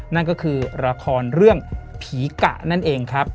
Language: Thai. นั่นก็คือละครเรื่องผีกะนั่นเองครับ